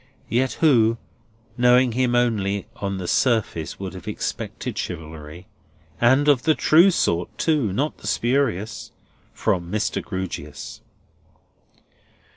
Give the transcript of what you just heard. Yet who, knowing him only on the surface, would have expected chivalry—and of the true sort, too; not the spurious—from Mr. Grewgious?